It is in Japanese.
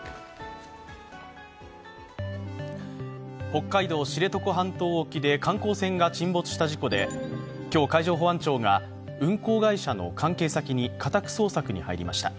北海道知床半島沖で観光船が沈没した事故で今日、海上保安庁が運航会社の関係先に家宅捜索に入りました。